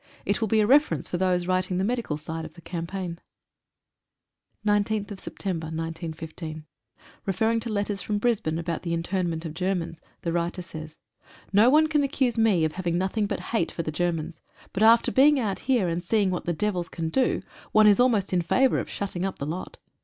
It will be a refer ence for those writing the medical side of the campaign. Referring to letters from Brisbane about the intern ment of Germans, the writer says: — NO one can accuse me of having nothing but hate for the Germans, but after being out here and seeing what the devils can do, one is almost in favour of shutting up the lot.